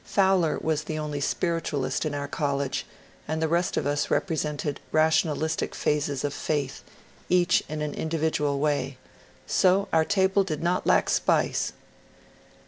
Fowler was the only ^' spiritualist " in our college, and the rest of us represented rationalistic phases of faith, each in an individ ual way ; so our table did not lack spice.